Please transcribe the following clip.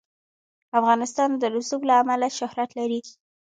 افغانستان د رسوب له امله شهرت لري.